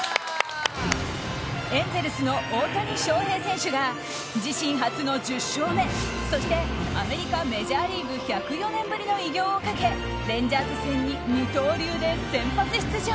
エンゼルスの大谷翔平選手が自身初の１０勝目そしてアメリカ、メジャーリーグ１０４年ぶりの偉業をかけ、レンジャーズ戦に二刀流で先発出場。